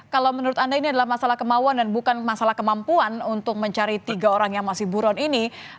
kalau menurut anda ini adalah masalah kemauan dan bukan masalah kemampuan untuk mencari tiga orang yang masih buron ini